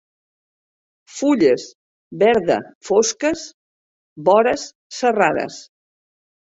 Fulles verda fosques, vores serrades.